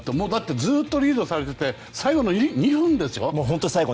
ずっとリードされてて最後の２分でしょ？